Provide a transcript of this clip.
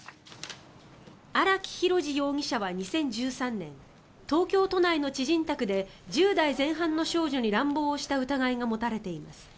荒木博路容疑者は２０１３年東京都内の知人宅で１０代前半の少女に乱暴をした疑いが持たれています。